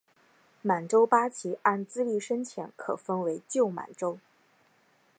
满洲八旗按资历深浅可分为旧满洲。